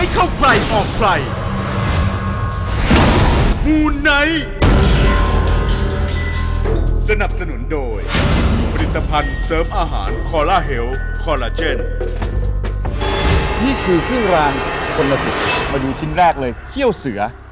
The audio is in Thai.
คอลลาเจนนี่คือขี้รางคนละสิบมาดูชิ้นแรกเลยเขี้ยวเสือ